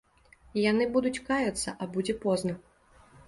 Яны будуць каяцца, а будзе позна.